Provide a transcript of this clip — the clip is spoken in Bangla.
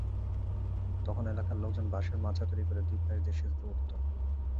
তখন এলাকার লোকজন বাঁশের মাচা তৈরি করে দুই পাশ দিয়ে সেতুতে উঠত।